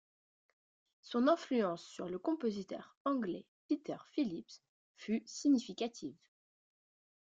Son influence sur le compositeur anglais Peter Philips fut significative.